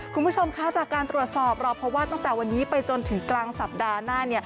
คุณผู้ชมคะจากการตรวจสอบเราเพราะว่าตั้งแต่วันนี้ไปจนถึงกลางสัปดาห์หน้า